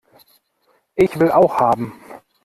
Ich will auch haben!